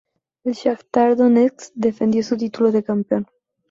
El Shajtar Donetsk defendió su título de campeón.